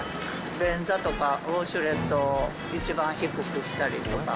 便座とか、ウォシュレット、一番低くしたりとか。